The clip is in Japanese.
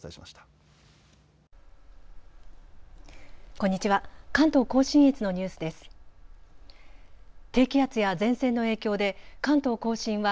こんにちは。